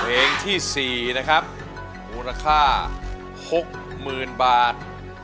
เพลงที่๔นะครับมูลค่า๖๐๐๐๐บาท